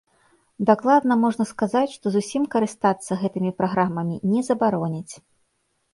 Дакладна можна сказаць, што зусім карыстацца гэтымі праграмамі не забароняць.